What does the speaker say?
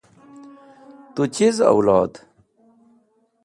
Tu chiz awlod?